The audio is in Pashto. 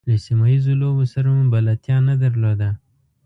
له سیمه ییزو لوبو سره مو بلدتیا نه درلوده.